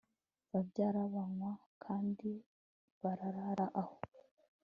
barya, banywa kandi barara aho